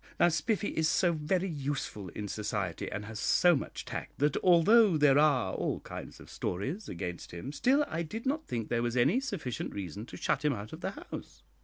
Now Spiffy is so very useful in society, and has so much tact, that although there are all kinds of stories against him, still I did not think there was any sufficient reason to shut him out of the house.